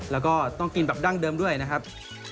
แล้วก็ต้องกินแบบดั้งเดิมด้วยนะครับ